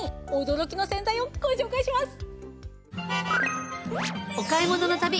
驚きの洗剤をご紹介します。